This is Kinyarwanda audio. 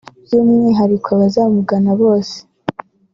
by’umwihariko abazamugana bose